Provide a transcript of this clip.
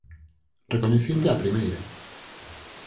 Recoñecinte á primeira!